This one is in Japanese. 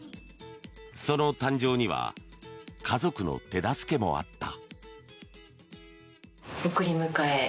その誕生には家族の手助けもあった。